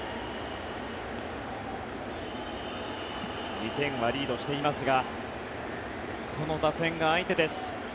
２点はリードしていますがこの打線が相手です。